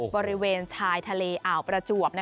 บริเวณชายทะเลอ่าวประจวบ